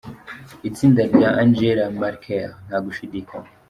"Itsinda rya Angela Merkel, nta gushidikanya.